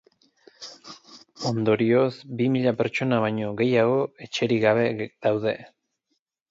Ondorioz, bi mila pertsona baino gehiago etxerik gabe daude.